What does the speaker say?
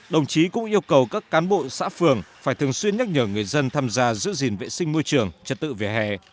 đồng chí cũng yêu cầu các cán bộ xã phường phải thường xuyên nhắc nhở người dân tham gia giữ gìn vệ sinh môi trường chất tự về hè